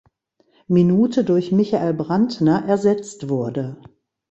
Minute durch Michael Brandner ersetzt wurde.